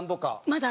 まだ？